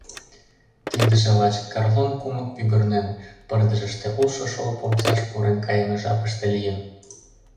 Тидыже лач Карлон кумык пӱгырнен, пырдыжыште улшо шолып омсаш пурен кайыме жапыште лийын.